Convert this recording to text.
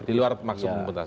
diluar maksud pemerintah